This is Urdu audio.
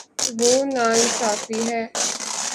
وہ نا انصافی ہے